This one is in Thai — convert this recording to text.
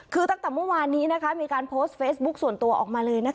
คือตั้งแต่เมื่อวานนี้มีการโพสต์เฟซบุ๊คส่วนตัวออกมาเลย